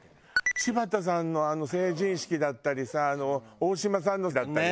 柴田さんのあの成人式だったりさ大島さんのだったり。